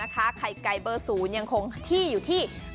ไข่ไก่เบอร์๐ยังคงที่อยู่ที่